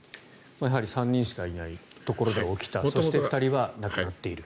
やはり３人しかいないところで起きたということでうち２人が亡くなっている。